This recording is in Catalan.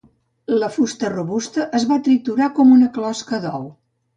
La fusta robusta es va triturar com una closca d'ou.